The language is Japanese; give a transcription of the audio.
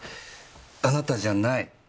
あなたじゃない？